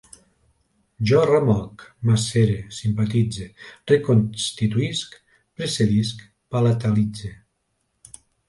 Jo remoc, macere, simpatitze, reconstituïsc, precedisc, palatalitze